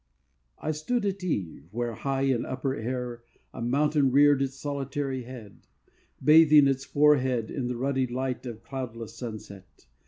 I stood at eve, where, high in upper air, A mountain reared its solitary head, Bathing its forehead in the ruddy light Of cloudless sunset.